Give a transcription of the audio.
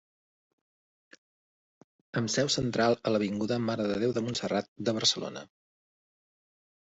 Amb seu central a l'avinguda Mare de Déu de Montserrat de Barcelona.